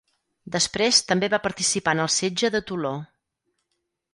Després també va participar en el setge de Toló.